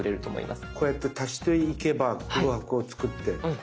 こうやって足していけば空白を作って。